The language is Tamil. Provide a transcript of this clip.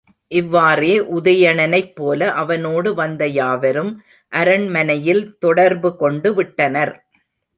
இவ்வாறே உதயணனைப்போல அவனோடு வந்த யாவரும் அரண்மனையில் தொடர்பு கொண்டுவிட்ட னர்.